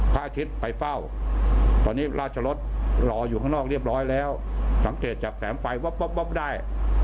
พระอาทิตย์ไปเฝ้าตอนนี้ราชรสรออยู่ข้างนอกเรียบร้อยแล้วสังเกตจากแสงไฟวับได้